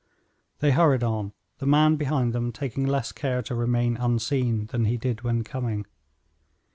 They hurried on, the man behind them taking less care to remain unseen than he did when coming.